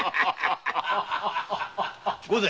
御前。